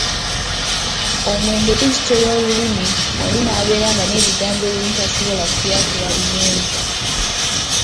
Omwenge guzitoya olulimi oli n'abeera nga n'ebigambo ebimu tasobola kubyatula bulungi.